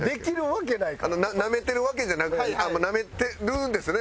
なめてるわけじゃなくてもうなめてるんですね。